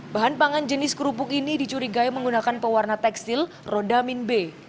bahan pangan jenis kerupuk ini dicurigai menggunakan pewarna tekstil rodamin b